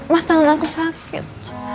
mas tangan aku sakit